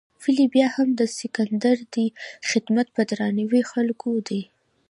ولې بیا هم د سکندر دې خدمت په درناوي خلکو دی.